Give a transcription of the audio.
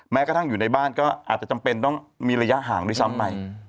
แม้กระทั่งอยู่ในบ้านก็อาจจะจำเป็นต้องมีระยะห่างด้วยซ้ำไป